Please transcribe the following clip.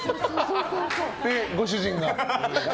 ご主人が。